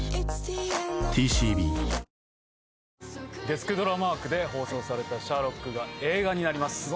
月９ドラマ枠で放送された『シャーロック』が映画になります。